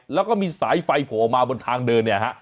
แล้วก็มีสายไฟโผล่มาบนทางเดินเนี่ยฮะ